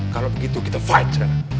kalau begitu kita fight sekarang